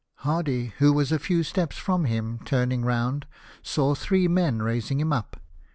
Hardy, who was a few steps from him, turning round, saw three men raising him up.